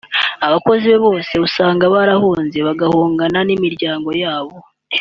Abakozi be bose usanga barahunze bagahungana n’imiryango yabo